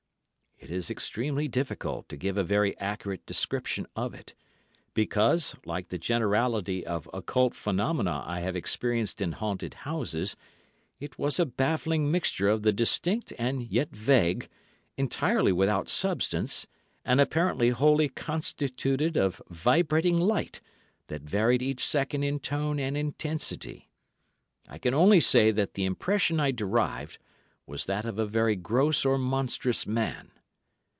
It is extremely difficult to give a very accurate description of it, because, like the generality of occult phenomena I have experienced in haunted houses, it was a baffling mixture of the distinct and yet vague, entirely without substance, and apparently wholly constituted of vibrating light that varied each second in tone and intensity. I can only say that the impression I derived was that of a very gross or monstrous man.